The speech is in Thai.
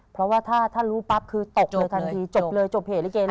เพราะว่าถ้ารู้ปั๊บคือตกเลยทันทีจบเลยจบเหตุลิเกเลย